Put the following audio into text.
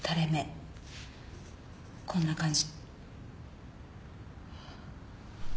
こんな感じ。